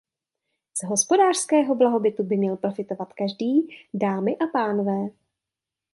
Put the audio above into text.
Z hospodářského blahobytu by měl profitovat každý, dámy a pánové.